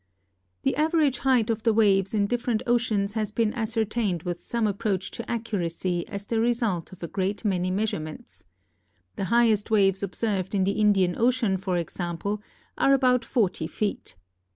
The average height of the waves in different oceans has been ascertained with some approach to accuracy as the result of a great many measurements. The highest waves observed in the Indian Ocean, for example, are about forty feet.